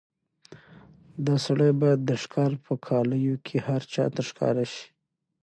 دا سړی باید د ښکار په کالیو کې هر چا ته ښکاره شي.